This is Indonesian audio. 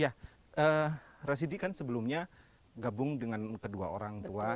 ya rasidi kan sebelumnya gabung dengan kedua orang tua